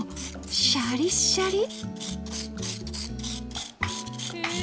シャリッシャリ！